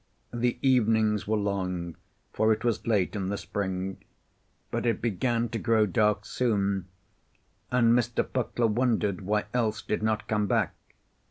The evenings were long, for it was late in the spring. But it began to grow dark soon, and Mr. Puckler wondered why Else did not come back.